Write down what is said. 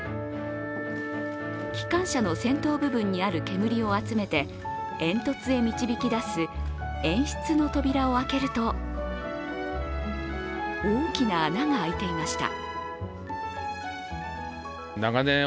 機関車の先頭部分にある煙を集めて煙突へ導き出す煙室の扉を開けると大きな穴が開いていました。